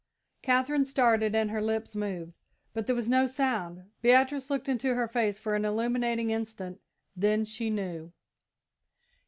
Katherine started and her lips moved, but there was no sound. Beatrice looked into her face for an illuminating instant then she knew.